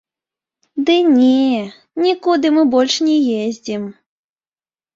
Ды не, нікуды мы больш не ездзім.